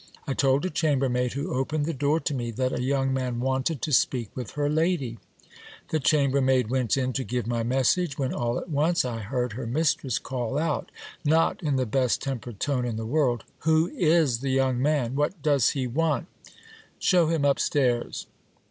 I told a chambermaid who opened the door to me, that a young man wanted to speak with her lady. The chambermaid went in to give my message, when all at once I heard her mistress call out, not in the best tempered tone in GIL BLAS A CCIDENTALL Y DISCO VERS LA URA. 239 the world, Who is the young man ? What does he want ? Shew him up stairs.